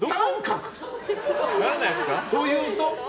△？というと？